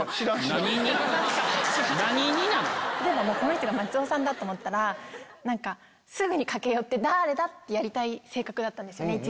この人が松尾さんだと思ったらすぐに駆け寄ってだれだ？ってやりたい性格だったんです。